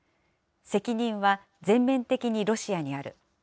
責任は全面的にロシアにある。